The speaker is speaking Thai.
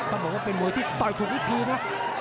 ว่าเป็นมวยที่ตอยถูกยกทีน่ะ